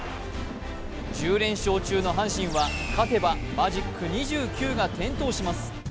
１０連勝中の阪神は勝てばマジック２９が点灯します。